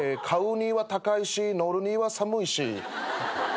買うには高いし乗るには寒いし。